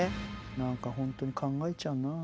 何か本当に考えちゃうなあ。